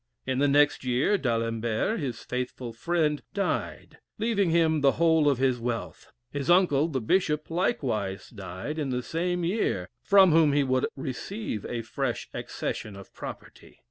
In the next year, D'Alembert, his faithful friend, died, leaving him the whole of his wealth; his uncle, the bishop, likewise died in the same year, from whom he would receive a fresh accession of property.